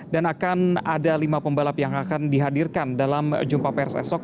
dan akan ada lima pembalap yang akan dihadirkan dalam jumpa pers esok